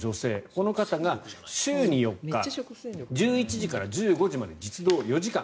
この方が週に４日１１時から１５時まで実働４時間。